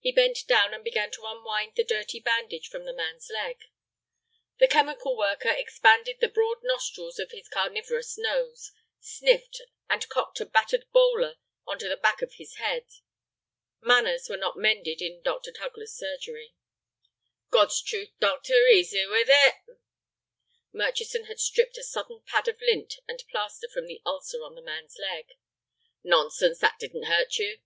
He bent down and began to unwind the dirty bandage from the man's leg. The chemical worker expanded the broad nostrils of his carnivorous nose, sniffed, and cocked a battered bowler onto the back of his head. Manners were not mended in Dr. Tugler's surgery. "God's truth, doct'r, easy with it—" Murchison had stripped a sodden pad of lint and plaster from the ulcer on the man's leg. "Nonsense; that didn't hurt you."